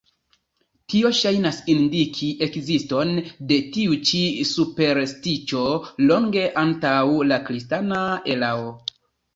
Tio ŝajnas indiki ekziston de tiu ĉi superstiĉo longe antaŭ la kristana erao.